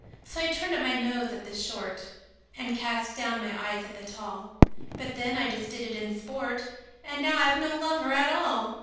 So I turned up my nose at the short, And cast down my eyes at the tall; But then I just did it in sport And now I've no lover at all!